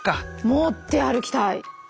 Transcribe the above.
持って歩きたい！